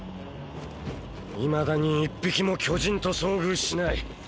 いまだに一匹も巨人と遭遇しない。